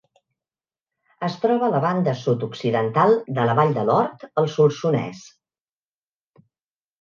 Es troba a la banda sud-occidental de la Vall de Lord, al Solsonès.